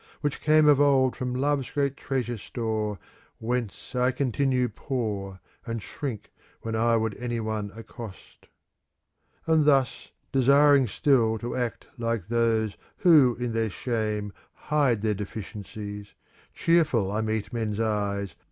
Which came of old from Love's great treasure store. Whence I continue poor, " And shrink when I would any one accost. And thus, desiring still to act like those. Who, in their shame, hide their deficiencies. Cheerful I meet men's eyes.